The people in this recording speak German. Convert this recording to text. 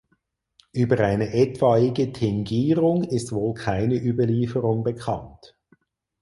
Über eine etwaige Tingierung ist wohl keine Überlieferung bekannt.